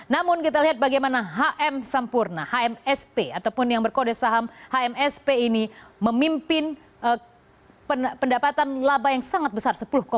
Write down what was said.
namun kita lihat bagaimana hmsp atau pun yang berkode saham hmsp ini memimpin pendapatan laba yang sangat besar